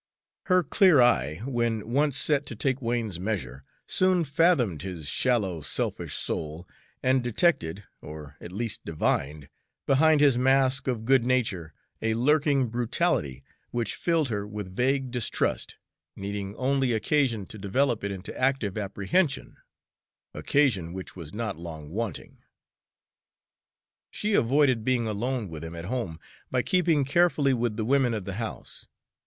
Her clear eye, when once set to take Wain's measure, soon fathomed his shallow, selfish soul, and detected, or at least divined, behind his mask of good nature a lurking brutality which filled her with vague distrust, needing only occasion to develop it into active apprehension, occasion which was not long wanting. She avoided being alone with him at home by keeping carefully with the women of the house.